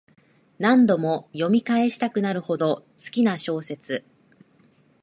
何度も読み返したくなるほど好きな小説